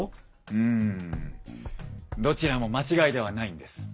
うんどちらも間違いではないんです。